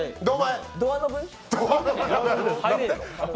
ドアノブ？